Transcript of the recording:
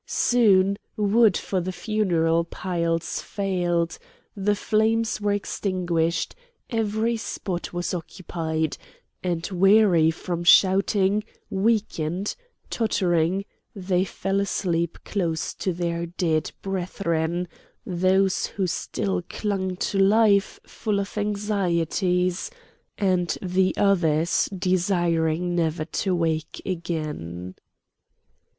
Soon wood for the funeral piles failed, the flames were extinguished, every spot was occupied; and weary from shouting, weakened, tottering, they fell asleep close to their dead brethren, those who still clung to life full of anxieties, and the others desiring never to wake again.